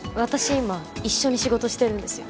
今一緒に仕事してるんですよ